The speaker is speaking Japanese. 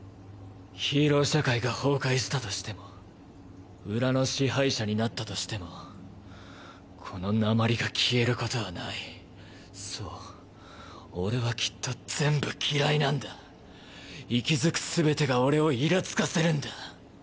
ヒーロー社会が崩壊したとしても裏の支配者になったとしてもこの鉛が消えることはないそう俺はきっと全部嫌いなんだ息づく全てが俺を苛つかせるんだ。